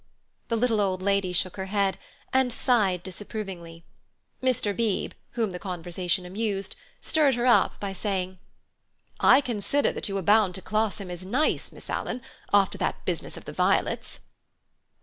The little old lady shook her head, and sighed disapprovingly. Mr. Beebe, whom the conversation amused, stirred her up by saying: "I consider that you are bound to class him as nice, Miss Alan, after that business of the violets."